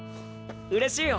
うれしいよ。